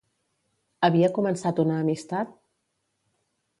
Havia començat una amistat?